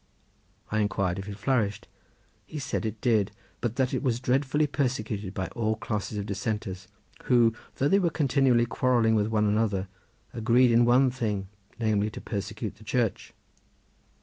I inquired if it flourished. He said it did, but that it was dreadfully persecuted by all classes of dissenters, who though they were continually quarrelling with one another agreed in one thing namely to persecute the Church.